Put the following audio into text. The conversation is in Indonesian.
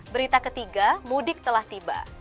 berita ketiga mudik telah tiba